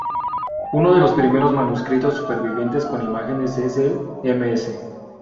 Uno de los primeros manuscritos supervivientes con imágenes es el Ms.